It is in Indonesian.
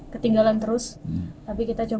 ketinggalan terus tapi kita coba